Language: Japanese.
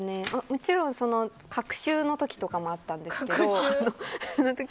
もちろん隔週の時とかもあったんですけど。